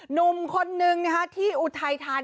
หนุ่มคนนึงที่อุทัยธาน